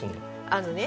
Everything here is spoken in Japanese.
あのね。